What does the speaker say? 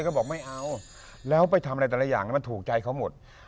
ก็บอกไม่เอาแล้วไปทำอะไรแต่ละอย่างมันถูกใจเขาหมด